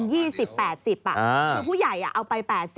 คือผู้ใหญ่เอาไป๘๐